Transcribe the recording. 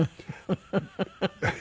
フフフフ。